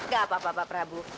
gak apa apa pak prabu